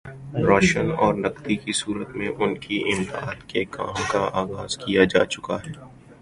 ration اور نقدی کی صورت میں ان کی امداد کے کام کا آغاز کیا جا چکا ہے